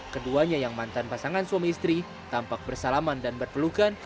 keduanya yang mantan pasangan suami istri tampak bersalaman dan berpelukan